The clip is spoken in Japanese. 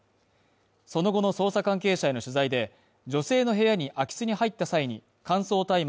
その後の捜査関係者への取材で、女性の部屋に空き巣に入った際に、乾燥大麻